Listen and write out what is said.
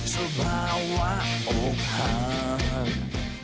สบายวะโอภาพ